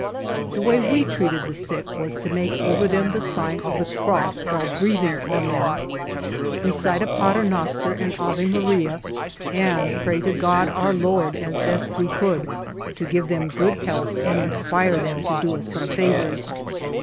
24 The way we treated the sick was to make over them the sign of the cross while breathing on them, recite a Pater noster and Ave Maria, and pray to God, Our Lord, as best we could to give them good health and inspire them to do us some favors.